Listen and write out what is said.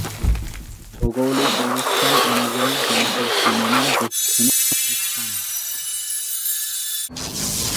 ভৌগোলিক অবস্থান অনুযায়ী জেলাটির সীমানা, দক্ষিণে পাকিস্তান।